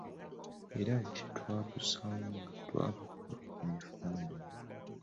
Era gye twabusanga twabukuba ebifaananyi.